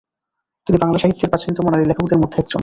তিনি বাংলা সাহিত্যের প্রাচীনতম নারী লেখকদের মধ্যে একজন।